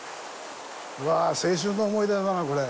うわぁ、青春の思い出だなぁ、これ。